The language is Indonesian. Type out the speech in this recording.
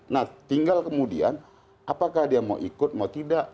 nah tinggal kemudian apakah dia mau ikut mau tidak